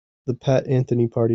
The Pat Anthony Party.